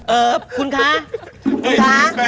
เออคุณคะคุณคะ